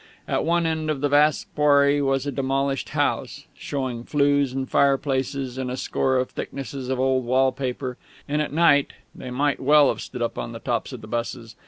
At one end of the vast quarry was a demolished house, showing flues and fireplaces and a score of thicknesses of old wallpaper; and at night they might well have stood up on the tops of the buses!